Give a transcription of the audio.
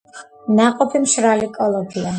ნაყოფი მშრალი კოლოფია.